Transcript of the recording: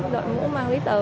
đội mũ mang lý tờ